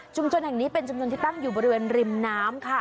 จนแห่งนี้เป็นจำนวนที่ตั้งอยู่บริเวณริมน้ำค่ะ